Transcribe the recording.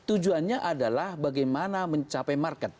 tujuannya adalah bagaimana mencapai market